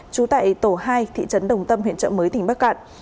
trú tại tổ hai thị trấn đồng tâm huyện trợ mới tỉnh bắc cạn